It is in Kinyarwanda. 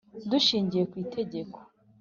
Dushingiye ku itegeko